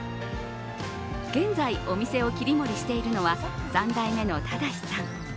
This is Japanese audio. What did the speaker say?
現在、お店を切り盛りしているのは３代目の正さん。